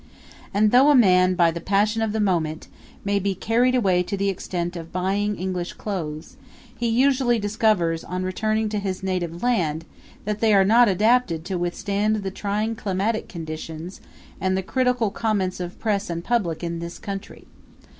And though a man, by the passion of the moment, may be carried away to the extent of buying English clothes, he usually discovers on returning to his native land that they are not adapted to withstand the trying climatic conditions and the critical comments of press and public in this country.